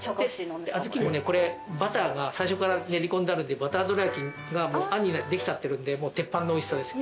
小豆もねこれバターが最初から練り込んであるんでバターどら焼きが餡にできちゃってるんでもう鉄板のおいしさです。